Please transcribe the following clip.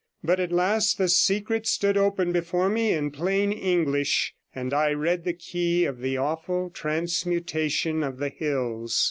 But at last the secret stood open before me in plain English, and I read the key of the awful transmutation of the hills.